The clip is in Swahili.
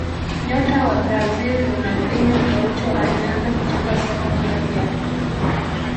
nyota wa brazil ronaldinho gaucho alianza kucheza soka bila viatu